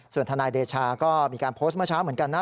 ส่วนทนายเดชาก็มีการโพสต์เมื่อเช้าเหมือนกันนะ